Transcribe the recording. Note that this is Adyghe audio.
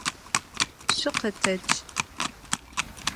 Şükhetec!